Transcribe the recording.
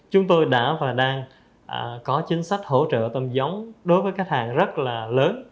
chúng tôi đã và đang có chính sách hỗ trợ tôm giống đối với khách hàng rất là lớn